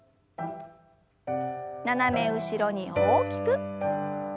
斜め後ろに大きく。